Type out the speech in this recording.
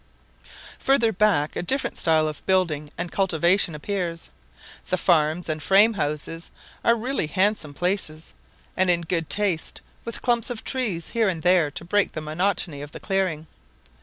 Further back a different style of building and cultivation appears. The farms and frame houses are really handsome places, and in good taste, with clumps of trees here and there to break the monotony of the clearing.